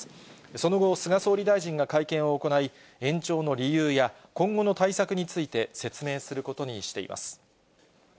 その後、菅総理大臣が会見を行い、延長の理由や今後の対策について説明することにしています。